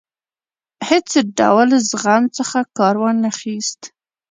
هیڅ ډول زغم څخه کار وانه خیست.